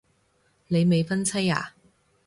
你未婚妻啊